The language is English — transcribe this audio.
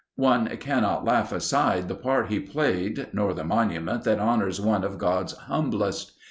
One cannot laugh aside the part he played nor the monument that honors one of God's humblest.